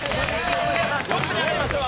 せいやさんトップに上がりましょう。